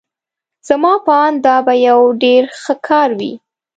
زما په آند دا به یو ډېر ښه کار وي.